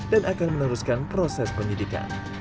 dan akan meneruskan proses penyidikan